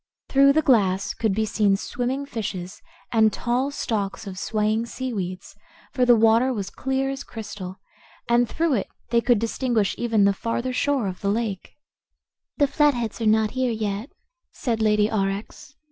Through the glass could be seen swimming fishes, and tall stalks of swaying seaweeds, for the water was clear as crystal and through it they could distinguish even the farther shore of the lake. "The Flatheads are not here yet," said Lady Aurex.